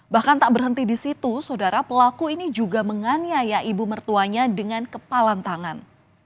bahkan tak berhenti di situ saudara pelaku ini juga menganiaya ibu mertuanya dengan kepalan tangan